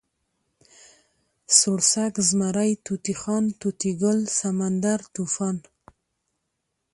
سوړسک، زمری، طوطی خان، طوطي ګل، سمندر، طوفان